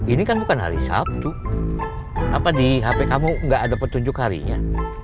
ini kan bukan hari sabtu di hp kamu nggak ada petunjuk harinya